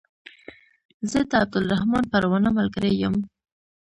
زه د عبدالرحمن پروانه ملګری يم